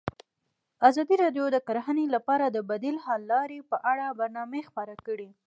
ازادي راډیو د کرهنه لپاره د بدیل حل لارې په اړه برنامه خپاره کړې.